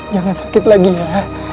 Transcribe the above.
jangan sakit lagi ya